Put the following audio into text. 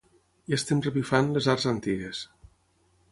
I estem revifant les arts antigues.